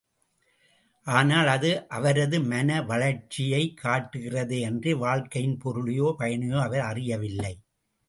ஆனால், அது அவரது மன வளர்ச்சியைக் காட்டுகிறதே அன்றி வாழ்க்கையின் பொருளையோ, பயனையோ அவர் அறியவில்லை என்பதல்ல.